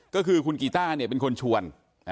ก็คือคุณกีต้าเนี่ยเป็นคนชวน